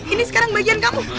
ini sekarang bagian kamu